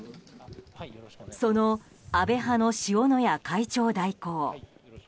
その安倍派の塩谷会長代行。